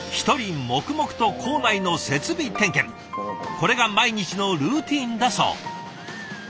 これが毎日のルーティンだそう。